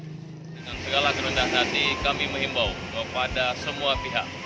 dengan segala kerendahan nanti kami menghimbau kepada semua pihak